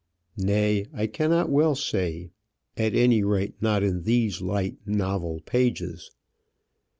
Nay, I cannot well say, at any rate not in these light novel pages.